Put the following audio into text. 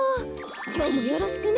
きょうもよろしくね。